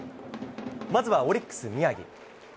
まずはオリックス、宮城。